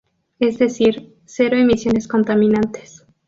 Es decir, cero emisiones contaminantes.